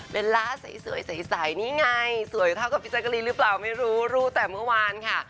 เบลล่าใส่นี่ไงสวยเท่ากับพิจารกรีนหรือเปล่าไม่รู้รู้แต่เมื่อวานค่ะ